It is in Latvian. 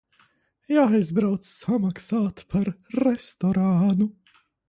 Jāaizbrauc samaksāt par restorānu.